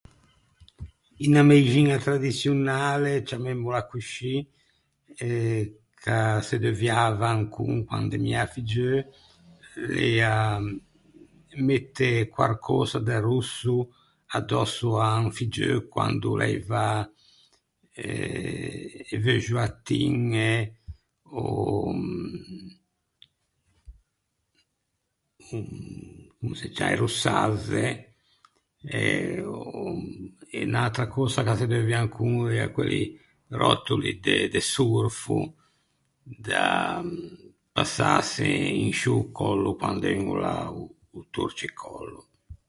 Unna meixiña tradiçionale, ciammemmola coscì, eh ch’a se deuviava ancon quande mi ea figgeu, l’ea, mette quarcösa de rosso adòsso à un figgeu quand’o l’aiva eh e veuxoattiñe ò comm’o se ciam- ... e rossazze e e unn’atra cösa ch’a se deuvia ancon ea quelli ròtoli de de sorfo da passâse in sciô còllo quande un o l’à o o torcicòllo.